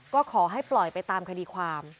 ก็ขอให้ปล่อยไปตามคดีความ